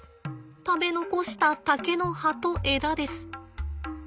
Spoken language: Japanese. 食べ残した竹の葉と枝です。